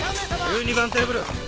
１２番テーブル瀧！